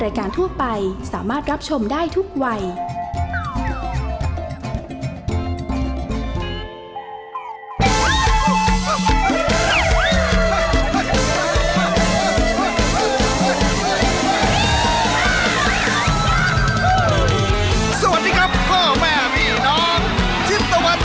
ชิ้นตะวันออกชิ้นตะวันตก